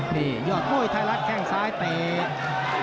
นี่ยอดมวยไทยรัฐแข้งซ้ายเตะ